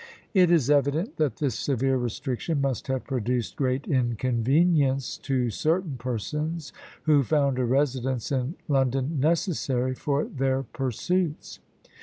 It is evident that this severe restriction must have produced great inconvenience to certain persons who found a residence in London necessary for their pursuits.